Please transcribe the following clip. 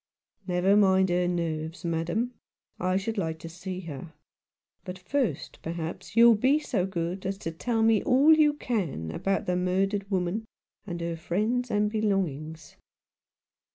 " Never mind her nerves, madam ; I should like to see her. But, first, perhaps you'll be so good as to tell me all you can about the murdered woman and her friends and belongings."